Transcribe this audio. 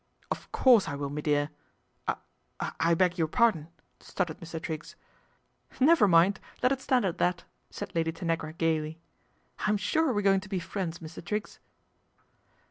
" Of course I will, me dear. I I beg your pardon," stuttered Mr. Triggs. " Never mind, let it stand at that," said Lady Tanagra gaily. " I'm sure we're going to be friends, Mr. Triggs."